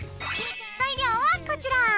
材料はこちら。